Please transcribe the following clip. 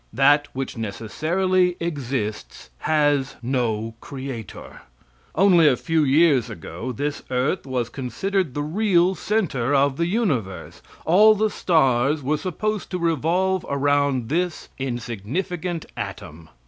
That which necessarily exists has no creator. Only a few years ago this earth was considered the real center of the universe; all the stars were supposed to revolve around this insignificant atom.